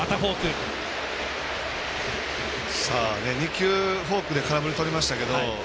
２球フォークで空振りとりましたけど